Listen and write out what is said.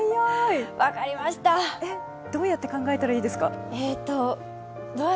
どうやって考えたらいいですか？